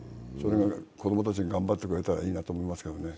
子供たちが頑張ってくれたらいいなと思いますけどね。